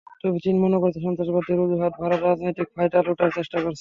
তবে চীন মনে করছে, সন্ত্রাসবাদের অজুহাতে ভারত রাজনৈতিক ফায়দা লোটার চেষ্টা করছে।